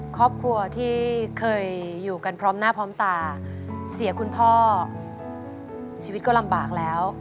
ครอบครัวที่เคยอยู่กันพร้อมหน้าพร้อมตาเสียคุณพ่อชีวิตก็ลำบากแล้ว